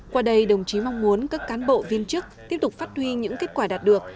qua đây đồng chí mong muốn các cán bộ viên chức tiếp tục phát huy những kết quả đạt được